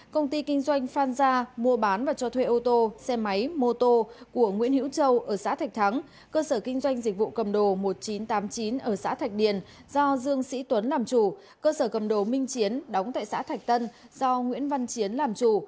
cơ sở cầm đồ minh chiến đóng tại xã thạch tân do nguyễn văn chiến làm chủ